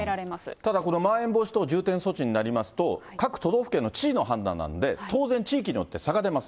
ただこのまん延防止等重点措置になりますと、各都道府県の知事の判断なんで、当然地域によって差が出ます。